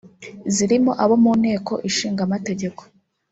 zirimo abo mu Nteko Ishingamategeko